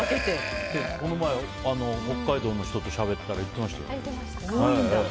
この前、北海道の人としゃべったら言ってましたよ。